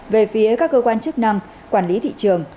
về phía các cơ quan chức năng quản lý thị trường